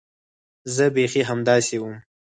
زه بيخي همداسې وم.